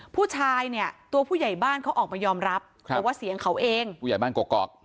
ผู้ชายเนี่ยตัวผู้ใหญ่บ้านเขาออกมายอมรับบอกว่าเสียงเขาเองผู้ใหญ่บ้านกกอก